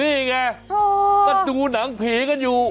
นี่ไงก็ดูหนังผีกันอยู่